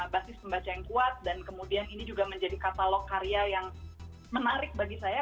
basis pembaca yang kuat dan kemudian ini juga menjadi katalog karya yang menarik bagi saya